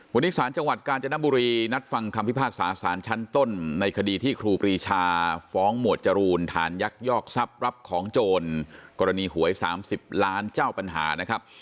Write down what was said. วันนี้สารจังหวัดกาญจนบุรีนัดฟังคำพิพากษาสารชั้นต้นในคดีที่ครูปรีชาฟ้องหมวดจรูนฐานยักยอกทรัพย์รับของโจรกรณีหวย๓๐ล้านเจ้าปัญหานะครับ